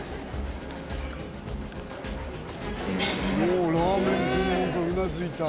おおラーメン専門家うなずいた。